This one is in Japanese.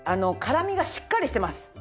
辛みがしっかりしてます。